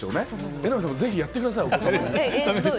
榎並さんもぜひやってくださいお子さんに。